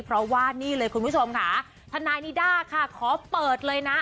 เพราะว่านี่เลยคุณผู้ชมค่ะทนายนิด้าค่ะขอเปิดเลยนะ